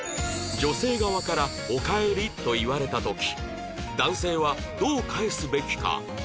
女性側から「おかえり」と言われた時男性はどう返すべきか？